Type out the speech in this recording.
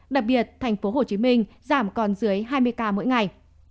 đặc biệt thành phố hồ chí minh giảm còn dưới hai mươi ca mỗi ngày